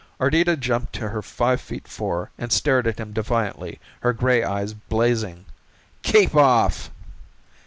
Ardita jumped to her five feet four and stared at him defiantly, her gray eyes blazing. "Keep off!"